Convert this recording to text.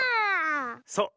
そう。